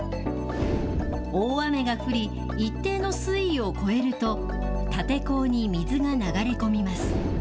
大雨が降り、一定の水位を超えると、立て坑に水が流れ込みます。